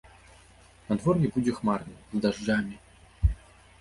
Надвор'е будзе хмарным, з дажджамі.